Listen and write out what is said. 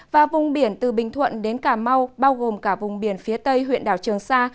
và vùng biển từ bình thuận đến cà mau bao gồm cả vùng biển phía tây huyện đảo trường sa